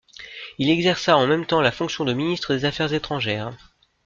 Il exerça en même temps la fonction de ministre des Affaires étrangères.